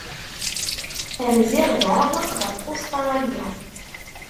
Rziɣ daɣ ɣef Ustṛalya.